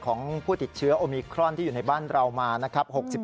ของผู้ติดเชื้อโอมิครอนที่อยู่ในบ้านเรามานะครับ